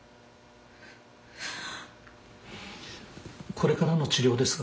これからの治療ですが。